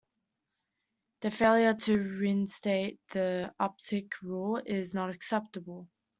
The failure to reinstate the Uptick Rule is not acceptable.